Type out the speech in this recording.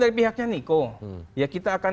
dari pihaknya niko ya kita akan